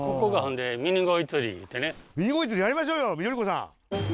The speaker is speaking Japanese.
ミニゴイ釣りやりましょうよ緑子さん。